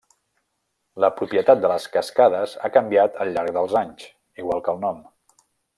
La propietat de les cascades ha canviat al llarg dels anys, igual que el nom.